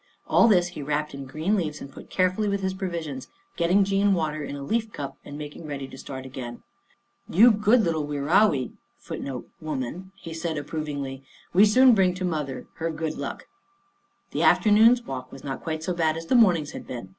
All this he wrapped in green leaves and put carefully with his provisions, getting Jean water in a leaf cup and making ready to start again. " You good little wirawi," 1 he said approv ingly. " We soon bring to Mother her good luck." The afternoon's walk was not quite so bad as the morning's had been.